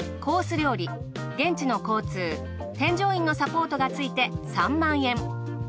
料理現地の交通添乗員のサポートがついて３０，０００円。